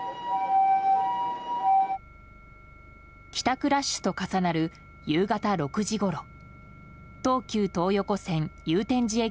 帰宅ラッシュと重なる夕方６時ごろ東急東横線祐天寺駅